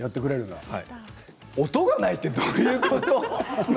音がないってどういうこと！